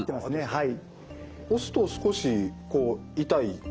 はい。